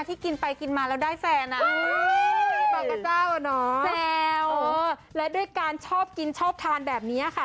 ที่กินไปกินมาแล้วได้แสนอ่ะแสวและด้วยการชอบกินชอบทานแบบนี้ค่ะ